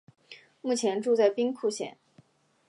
目前住在兵库县。